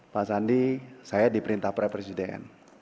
pak sandi saya diperintah presiden